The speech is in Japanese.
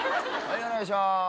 お願いします。